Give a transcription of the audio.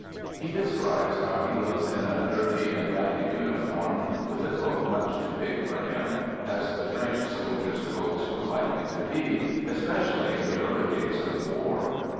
He describes how he looks in a dirty and ragged uniform with the coat much too big for him — as the French soldiers' coats were likely to be, especially in the early days of the war.